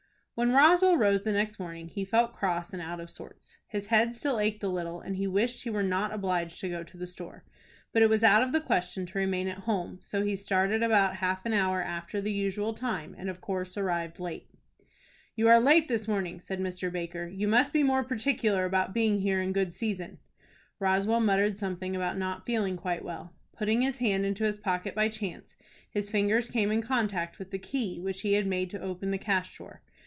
When Roswell rose the next morning he felt cross and out of sorts. His head still ached a little, and he wished he were not obliged to go to the store. But it was out of the question to remain at home, so he started about half an hour after the usual time, and of course arrived late. "You are late this morning," said Mr. Baker. "You must be more particular about being here in good season." Roswell muttered something about not feeling quite well. Putting his hand into his pocket by chance, his fingers came in contact with the key which he had made to open the cash drawer.